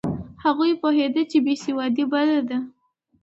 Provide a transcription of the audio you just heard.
هغه پوهېده چې بې سوادي بده ده.